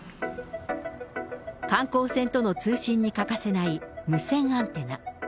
観光船との通信に欠かせない無線アンテナ。